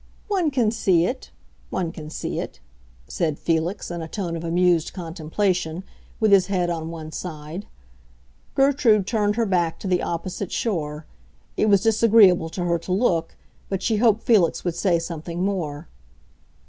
"One can see it—one can see it," said Felix, in a tone of amused contemplation, with his head on one side. Gertrude turned her back to the opposite shore; it was disagreeable to her to look, but she hoped Felix would say something more.